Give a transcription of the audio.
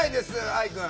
愛くん。